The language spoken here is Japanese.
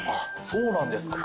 そうなんですか？